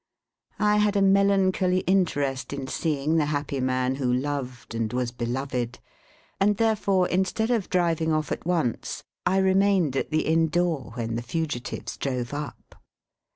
I had a melancholy interest in seeing the happy man who loved and was beloved; and therefore, instead of driving off at once, I remained at the Inn door when the fugitives drove up.